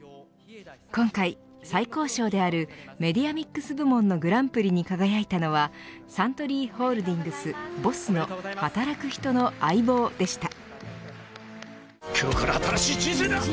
今回、最高賞であるメディアミックス部門のグランプリに輝いたのはサントリーホールディングスＢＯＳＳの働く人の相棒でした。